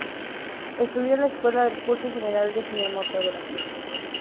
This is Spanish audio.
Estudió en la Escuela el Curso General de Cinematografía.